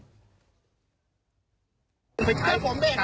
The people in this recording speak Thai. พี่แล้วผมเดินข้างบนไหนโอ้โห